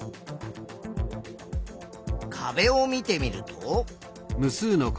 壁を見てみると。